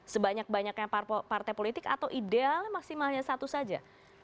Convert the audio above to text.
sebanyak banyaknya partai politik atau idealnya maksimalnya satu saja